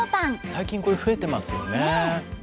最近、これ、増えていますよね。